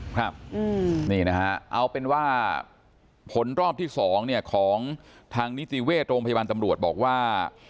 ครับนี่นะฮะเอาเป็นว่าผลรอบที่๒เนี่ยของทางนิติเวชโรงพยาบาลตำรวจบอกว่า